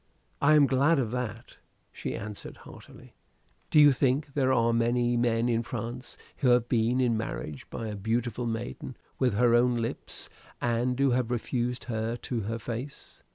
"I am glad of that," she answered heartily. "Do you think there are many men in France who have been in marriage by a beautiful maiden with her own lips and who have refused her to her face?